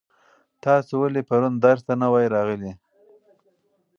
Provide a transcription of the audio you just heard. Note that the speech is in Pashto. تاسو ولې پرون درس ته نه وای راغلي؟